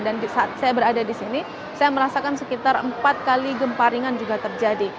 dan saat saya berada di sini saya merasakan sekitar empat kali gempa ringan juga terjadi